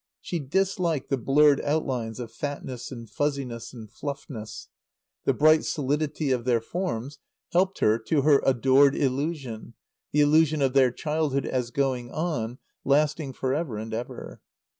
She disliked the blurred outlines of fatness and fuzziness and fluffiness. The bright solidity of their forms helped her to her adored illusion, the illusion of their childhood as going on, lasting for ever and ever.